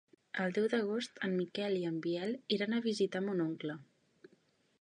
El deu d'agost en Miquel i en Biel iran a visitar mon oncle.